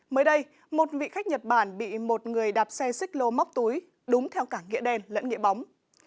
mới đây một vị khách nhật bản bị một người đạp xe xích lô móc túi đúng theo cả nghĩa đen lẫn nghĩa bóng